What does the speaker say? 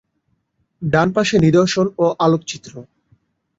ডান পাশে নিদর্শন ও আলোকচিত্র।